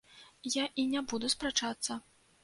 Я і не буду спрачацца.